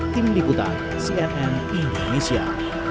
tim liputan cnn indonesia